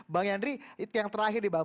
bang yandri itu yang terakhir nih bang